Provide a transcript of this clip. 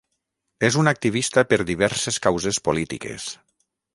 És un activista per diverses causes polítiques.